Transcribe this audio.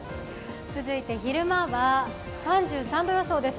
続いて、昼間は、３３度予想です。